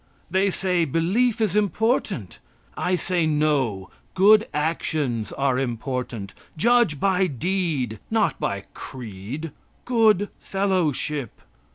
They say, "Belief is important." I say no, good actions are important. Judge by deed, not by creed, good fellowship.